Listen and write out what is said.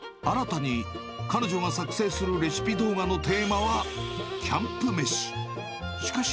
新たに、彼女が作成するレシピ動画のテーマは、キャンプ飯。